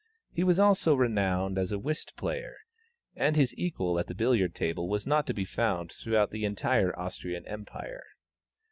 He was also renowned as a whist player, and his equal at the billiard table was not to be found throughout the entire Austrian Empire.